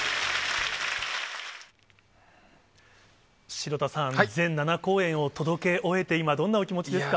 城田さん、全７公演を届け終えて、今、どんなお気持ちですか？